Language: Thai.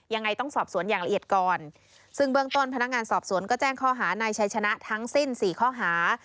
ยังไงต้องสอบสวนอย่างละเอียดก่อนซึ่งเบื้องต้นพนักงานสอบสวนก็แจ้งข้อหานายชัยชนะทั้งสิ้นสี่ข้อหา